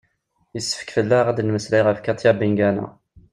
yessefk fell-aɣ ad d-nemmeslay ɣef katia bengana